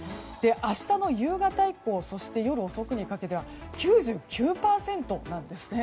明日の夕方以降そして夜遅くにかけては９９％なんですね。